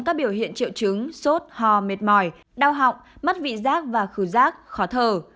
các biểu hiện triệu chứng sốt hò mệt mỏi đau họng mất vị giác và khử giác khó thờ